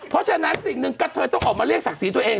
เพราะฉะนั้นสิ่งหนึ่งก็เธอต้องออกมาเรียกศักดิ์ศรีตัวเอง